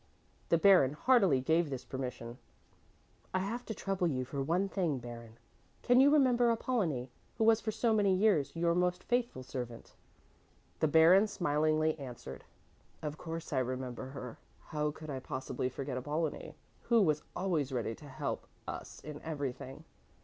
The Baron heartily gave this permission. "I have to trouble you for one thing, Baron. Can you remember Apollonie, who was for many years your most faithful servant?" The Baron smilingly answered, "Of course I remember her. How could I possibly forget Apollonie, who was always ready to help us in everything.